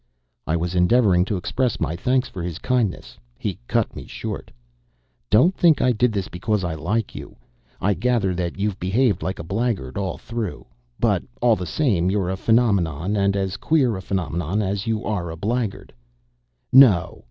I was endeavoring to express my thanks for his kindness. He cut me short. "Don't think I did this because I like you. I gather that you've behaved like a blackguard all through. But, all the same, you're a phenomenon, and as queer a phenomenon as you are a blackguard. No!"